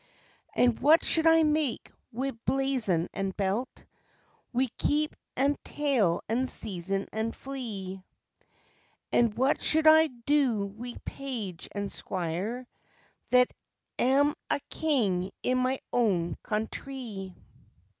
"And what should I make wi' blazon and belt, Wi' keep and tail and seizin and fee, And what should I do wi' page and squire That am a king in my own countrie?